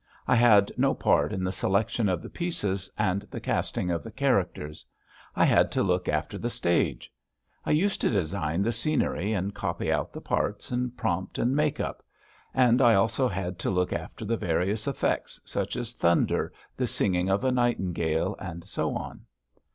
I had no part in the selection of the pieces and the casting of the characters. I had to look after the stage. I used to design the scenery and copy out the parts, and prompt and make up. And I also had to look after the various effects such as thunder, the singing of a nightingale, and so on.